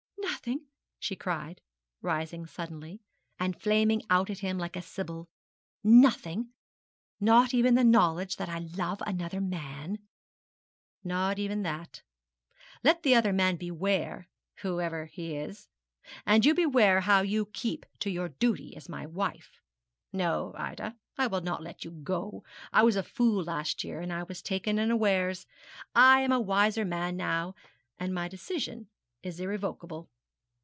'Nothing?' she cried, rising suddenly, and flaming out at him like a sibyl 'nothing? Not even the knowledge that I love another man?' 'Not even that. Let the other man beware, whoever he is. And you beware how you keep to your duty as my wife. No, Ida, I will not let you go. I was a fool last year and I was taken unawares. I am a wiser man now, and my decision is irrevocable.